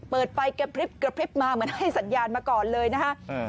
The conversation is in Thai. เปิดไปกระพริบกระพริบมาเหมือนให้สัญญาณมาก่อนเลยนะฮะ